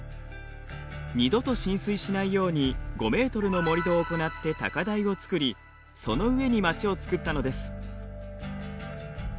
二度と浸水しないように５ｍの盛り土を行って高台を造りその上に町を造ったのです。